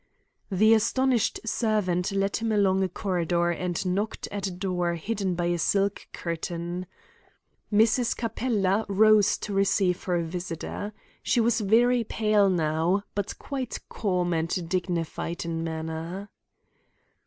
The astonished servant led him along a corridor and knocked at a door hidden by a silk curtain. Mrs. Capella rose to receive her visitor. She was very pale now, but quite calm and dignified in manner.